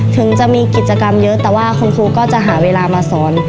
ถึงจะมีกิจกรรมเยอะแต่ว่าคุณครูก็จะหาเวลามาสอน